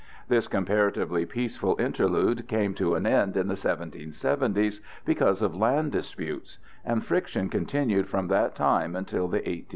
This comparatively peaceful interlude came to an end in the 1770's because of land disputes, and friction continued from that time until the 1860's.